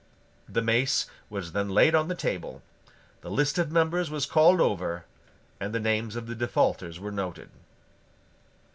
The mace was then laid on the table; the list of members was called over; and the names of the defaulters were noted.